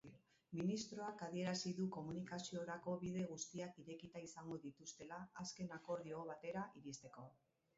Ministroak adierazi du komunikaziorako bide guztiak irekita izango dituztela azken akordio batera iristeko.